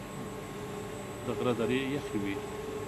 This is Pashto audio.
د غره درې یخي وې .